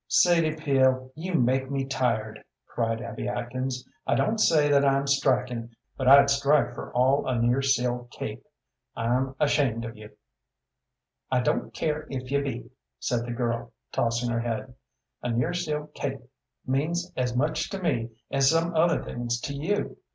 "Sadie Peel, you make me tired," cried Abby Atkins. "I don't say that I'm striking, but I'd strike for all a nearseal cape. I'm ashamed of you." "I don't care if you be," said the girl, tossing her head. "A nearseal cape means as much to me as some other things to you.